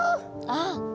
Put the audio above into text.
ああ。